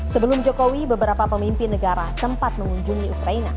sebelum jokowi beberapa pemimpin negara sempat mengunjungi ukraina